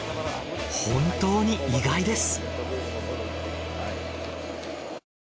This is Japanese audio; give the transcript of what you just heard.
本当に意外です。